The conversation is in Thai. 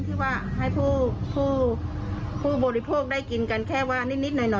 ที่ว่าให้ผู้บริโภคได้กินกันแค่ว่านิดหน่อย